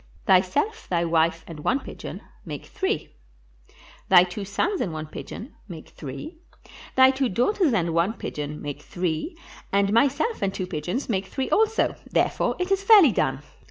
Thyself, thy wife, and one pigeon make three; thy two sons and one pigeon make three; thy two daugh ters and one pigeon make three, and myself and two pigeons make three also; therefore is it fairly done.